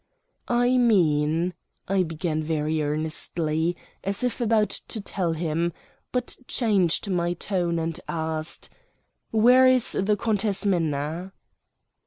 "I mean," I began very earnestly, as if about to tell him; but changed my tone, and asked, "Where is the Countess Minna?"